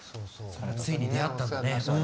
それがついに出会ったんだね。